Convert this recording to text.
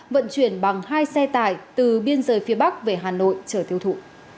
vận chuyển bằng hai xe tải từ biên giới phía bắc về hà nội chở tiêu thụ